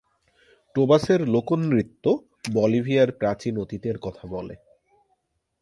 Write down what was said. টোবাসের লোকনৃত্য বলিভিয়ার প্রাচীন অতীতের কথা বলে।